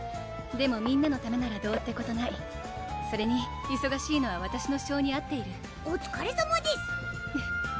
でもみんなのためならどうってことないそれにいそがしいのはわたしの性に合っているおつかれさまです！